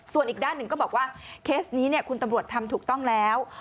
ส่วนอีกด้านหนึ่งก็บอกว่าเคสนี้คุณตำรวจทำถูกต้องแล้ว